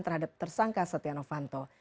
terhadap tersangka satyano fanto